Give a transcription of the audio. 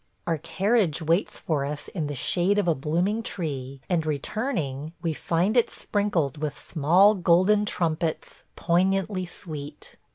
Our carriage waits for us in the shade of a blooming tree, and, returning, we find it sprinkled with small golden trumpets poignantly sweet.